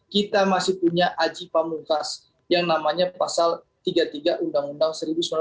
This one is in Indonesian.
kita masih punya aji pamungkas yang namanya pasal tiga puluh tiga undang undang seribu sembilan ratus empat puluh